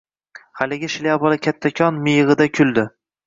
Haligi shlyapali kattakon miyig‘ida kuldi.